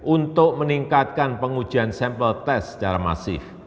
untuk meningkatkan pengujian sampel test secara masif